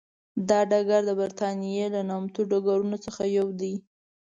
دا ډګر د برېتانیا له نامتو ډګرونو څخه یو دی.